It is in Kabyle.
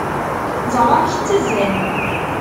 Ẓer amek ttazzalen!